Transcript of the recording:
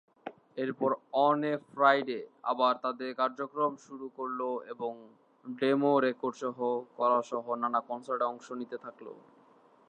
এরপর on a Friday আবার তাদের কার্যক্রম শুরু করল এবং ডেমো রেকর্ড করাসহ নানা কনসার্টে অংশ নিতে থাকল।